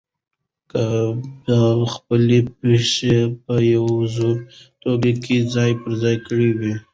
کبابي خپلې پیسې په یوې زړې ټوکرۍ کې ځای پر ځای کړې وې.